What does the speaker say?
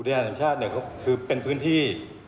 อุทยานแห่งชาติคือเป็นพื้นที่